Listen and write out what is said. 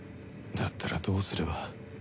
だったらどうすれば？